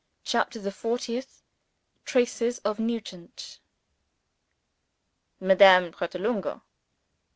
CHAPTER THE FORTIETH Traces of Nugent "MADAME PRATOLUNGO!"